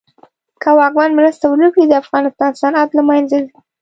که واکمن مرسته ونه کړي د افغانستان صنعت له منځ ځي.